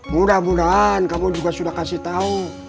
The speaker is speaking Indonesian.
mudah mudahan kamu juga sudah kasih tahu